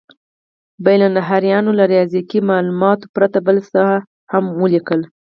بین النهرینیانو له ریاضیکي مالوماتو پرته بل څه هم ولیکل.